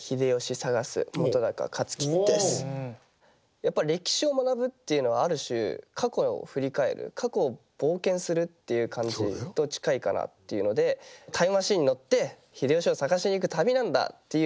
やっぱ歴史を学ぶっていうのはある種過去を振り返る過去を冒険するっていう感じと近いかなっていうのでタイムマシンに乗って秀吉を探しに行く旅なんだ！っていう。